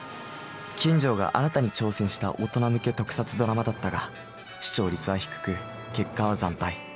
金城が新たに挑戦した大人向け特撮ドラマだったが視聴率は低く結果は惨敗。